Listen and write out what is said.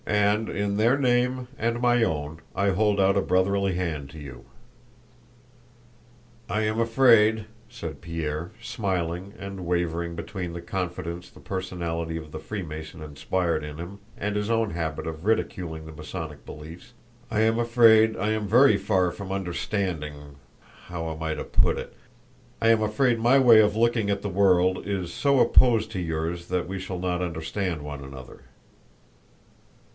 "And in their name and my own I hold out a brotherly hand to you." "I am afraid," said Pierre, smiling, and wavering between the confidence the personality of the Freemason inspired in him and his own habit of ridiculing the Masonic beliefs—"I am afraid I am very far from understanding—how am I to put it?—I am afraid my way of looking at the world is so opposed to yours that we shall not understand one another."